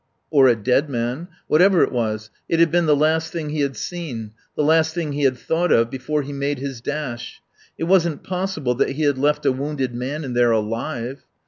Or a dead man. Whatever it was, it had been the last thing he had seen; the last thing he had thought of before he made his dash. It wasn't possible that he had left a wounded man in there, alive.